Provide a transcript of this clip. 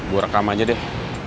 gue rekam aja deh